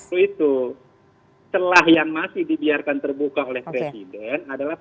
itu itu celah yang masih dibiarkan terbuka oleh presiden adalah presiden belum menutup celah ini